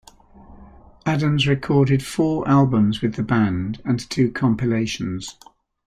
Adams recorded four albums with the band and two compilations.